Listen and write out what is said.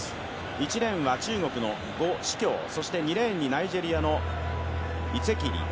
１レーンは中国のゴ・シキョウ、２レーンにナイジェリアのイツェキリ。